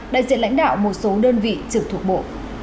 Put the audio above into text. đại diện lãnh đạo một số đơn vị trực thuộc bộ